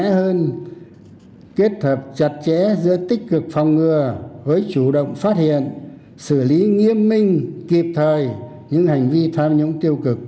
mẽ hơn kết hợp chặt chẽ giữa tích cực phòng ngừa với chủ động phát hiện xử lý nghiêm minh kịp thời những hành vi tham nhũng tiêu cực